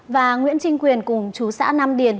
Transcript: và nguyễn trinh quyền cùng chú xã nam điền